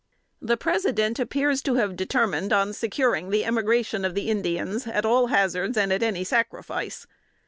The President appears to have determined on securing the emigration of the Indians at all hazards and at any sacrifice.